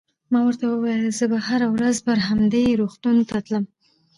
ما ورته وویل: زه به هره ورځ پر همدې لار روغتون ته تلم.